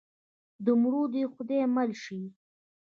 د مړو دې خدای مل شي.